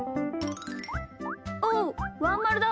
おっワンまるだ。